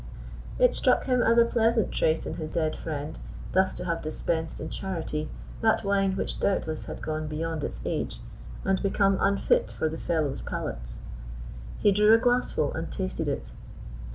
It struck him as a pleasant trait in his dead friend, thus to have dispensed in charity that wine which doubtless had gone beyond its age, and become unfit for the Fellows' palates. He drew a glassful and tasted it.